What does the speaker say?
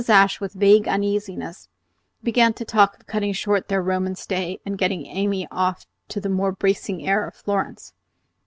Ashe, with vague uneasiness, began to talk of cutting short their Roman stay and getting Amy off to the more bracing air of Florence.